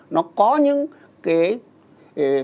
nó có những cái